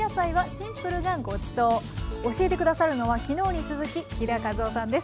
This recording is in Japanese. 教えて下さるのは昨日に続き飛田和緒さんです。